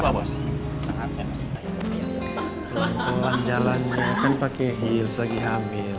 pelan pelan jalannya kan pakai heels lagi hamil